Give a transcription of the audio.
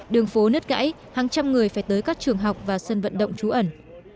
đường phố nứt gãy hàng trăm người phải tới các trường học và sân vận động trú ẩn